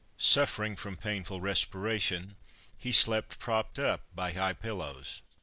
Suffering from painful respiration, he slept propped up by high pillows.